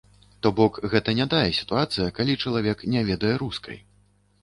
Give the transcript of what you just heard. То бок, гэта не тая сітуацыя, калі чалавек не ведае рускай.